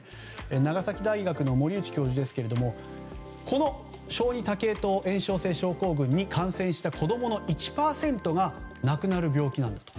長崎大学の森内教授ですがこの小児多系統炎症性症候群に感染した子供の１％が亡くなる病気なんだと。